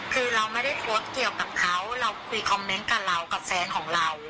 คือเราไม่ได้โพสต์เกี่ยวกับเขาเราคุยคอมเมนต์กับเรากับแฟนของเรา